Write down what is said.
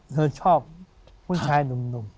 เธอชอบผู้ชายหนุ่ม